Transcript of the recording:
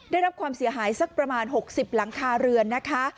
ได้รับความเสียหายสักประมาณ๖๐หลังคาเรือนนะคะ